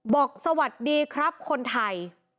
บอกสวัสดีครับคนไทย